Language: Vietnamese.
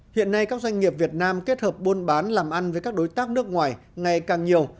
hiện nay các doanh nghiệp việt nam kết hợp buôn bán làm ăn với các đối tác nước ngoài ngày càng nhiều